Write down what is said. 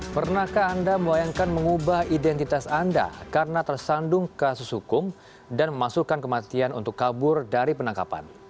pernahkah anda melayangkan mengubah identitas anda karena tersandung kasus hukum dan memasukkan kematian untuk kabur dari penangkapan